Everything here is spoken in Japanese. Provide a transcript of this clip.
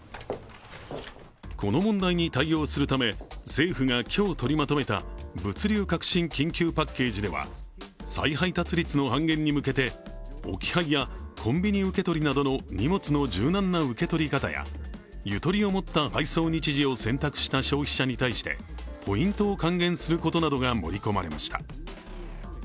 この問題に対応するため政府が今日取りまとめた物流革新緊急パッケージでは、再配達率の半減に向けて置き配やコンビニ受け取りなどの荷物の柔軟な受け取り方やゆとりを持った配送日時を選択した消費者に対して、ポイントを還元することなどが盛り込まれました。